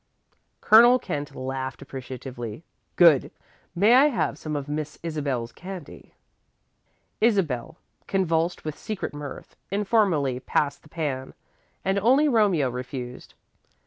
Colonel Kent laughed appreciatively. "Good! May I have some of Miss Isabel's candy?" Isabel, convulsed with secret mirth, informally passed the pan, and only Romeo refused.